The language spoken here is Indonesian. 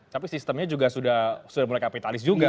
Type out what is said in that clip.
tapi sistemnya juga sudah mulai kapitalis juga